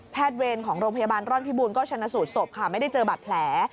เวรของโรงพยาบาลร่อนพิบูรณก็ชนะสูตรศพค่ะไม่ได้เจอบาดแผล